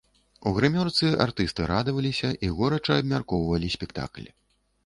У грымёрцы артысты радаваліся і горача абмяркоўвалі спектакль.